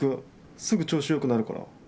すぐ調子良くなるから。